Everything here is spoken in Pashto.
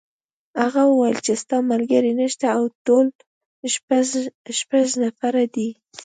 هغه وویل چې ستا ملګري نشته او ټول شپږ نفره دي.